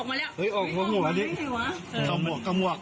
เข้าตามห้องน้ำที่มันโฟนจากชักโคก